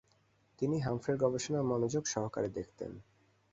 তিনি হামফ্রের গবেষণা মনোযোগ সহকারে দেখতেন।